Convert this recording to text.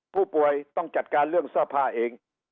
ผู้ป่วยต้องจัดการเรื่องเสื้อผ้าเอง